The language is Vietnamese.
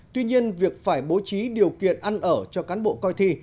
tuy nhiên việc phải bố trí điều kiện ăn ở cho cán bộ coi thi